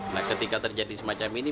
nah ketika terjadi semacam ini